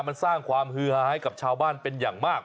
มันสร้างความฮือฮาให้กับชาวบ้านเป็นอย่างมาก